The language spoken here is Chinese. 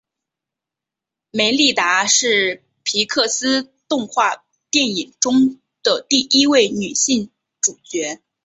梅莉达是皮克斯动画电影中的第一位女性主角。